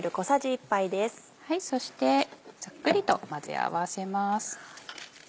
そしてざっくりと混ぜ合わせます。